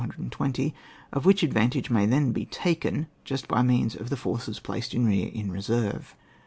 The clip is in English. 420), of which advantage may then be taken, just by means of the forces placed in rear in reserve.